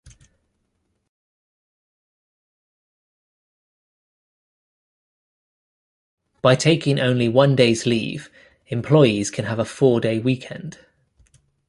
By taking only one day's leave, employees can have a four-day weekend.